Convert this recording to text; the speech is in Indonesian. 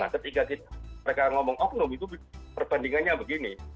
ketika mereka ngomong oknum itu perbandingannya begini